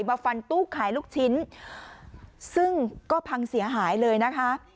มาฟันตู้ขายลูกชิ้นซึ่งก็พังเสียหายเลยนะคะ